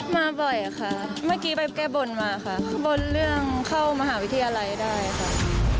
มาบ่อยค่ะเมื่อกี้ไปแก้บนมาค่ะข้างบนเรื่องเข้ามหาวิทยาลัยได้ค่ะ